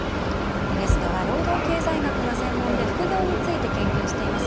ゲストは、労働経済学が専門で副業について研究をしています